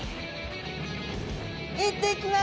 行ってきます！